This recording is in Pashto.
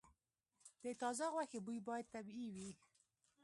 د تازه غوښې بوی باید طبیعي وي.